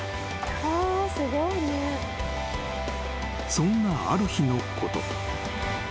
［そんなある日のこと］